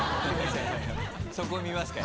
そこ見ますか。